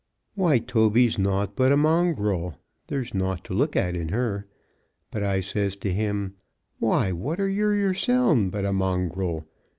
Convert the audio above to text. "Why, Toby's nought but a mongrel; there's nought to look at in her." But I says to him, "Why, what are you yoursen but a mongrel?